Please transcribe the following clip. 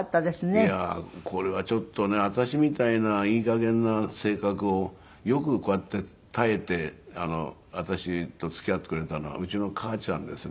いやこれはちょっとね私みたいないい加減な性格をよくこうやって耐えて私と付き合ってくれたのはうちの母ちゃんですね。